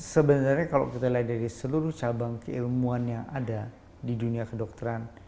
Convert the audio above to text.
sebenarnya kalau kita lihat dari seluruh cabang keilmuan yang ada di dunia kedokteran